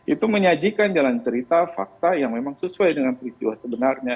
itu menyajikan jalan cerita fakta yang memang sesuai dengan peristiwa sebenarnya